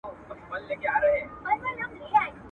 یو څو غمازي سترګي مي لیدلي دي په شپه کي.